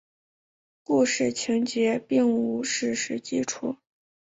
故事情节并无史实基础。